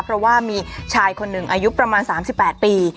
เพราะว่ามีชายคนหนึ่งอายุประมาณ๓๘ปี